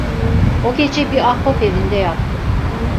O gece bir ahbap evinde yattım.